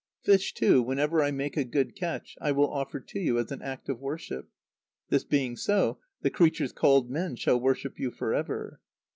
Fish, too, whenever I make a good catch, I will offer to you as an act of worship. This being so, the creatures called men shall worship you for ever."